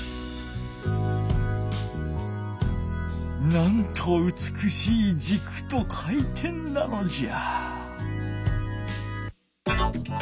なんとうつくしいじくと回転なのじゃ。